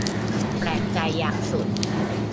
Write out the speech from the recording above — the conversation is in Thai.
แปลกใจอย่างสุด